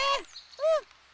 うん！